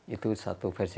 itu satu versi